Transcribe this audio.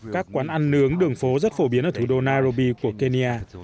các quán ăn nướng đường phố rất phổ biến ở thủ đô nairobi của kenya